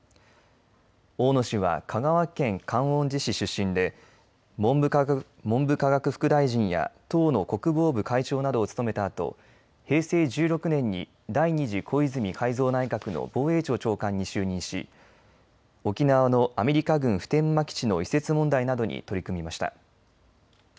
大野氏は香川県観音寺市出身で文部科学副大臣や党の国防部会長などを務めたあと、平成１６年に第２次小泉改造内閣の防衛庁長官に就任し沖縄のアメリカ軍普天間基地の移設問題などに取り組みました。